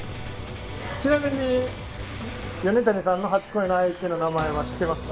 ちなみにヨネタニさんの初恋の相手の名前は知ってますか？